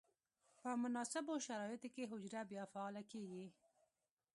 په مناسبو شرایطو کې حجره بیا فعاله کیږي.